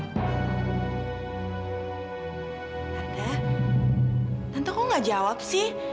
tante tante kok gak jawab sih